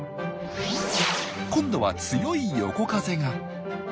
今度は強い横風が。